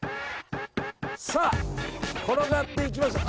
さあ、転がっていきました。